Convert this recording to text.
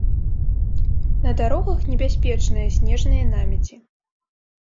На дарогах небяспечныя снежныя намеці.